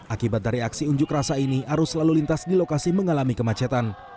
akibat dari aksi unjuk rasa ini arus lalu lintas di lokasi mengalami kemacetan